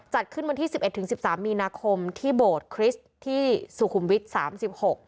จัดขึ้นวันที่๑๑๑๓มีนาคมที่โบสถ์คริสต์ที่สุขุมวิทย์๓๖